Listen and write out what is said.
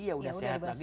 ya udah sehat lagi